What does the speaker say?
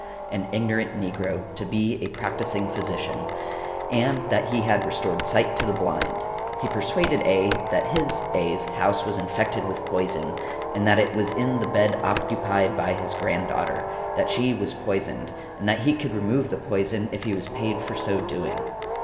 an ignorant negro, to be a practising physician, and that he had restored sight to the blind. He persuaded A. that his (A.'s) house was infected with poison, and that it was in the bed occupied by his granddaughter, that she was poisoned, and that he could remove the poison if he was paid for so doing.